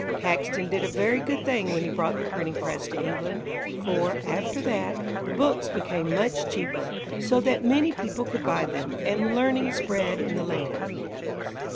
Caxton did a very good thing when he brought the printing press to England, for, after that, books became much cheaper, so that many people could buy them, and learning spread in the land.